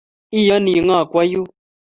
Iyoni ng'o kwo yun?